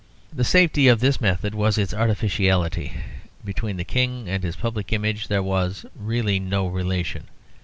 The safety of this method was its artificiality; between the King and his public image there was really no relation.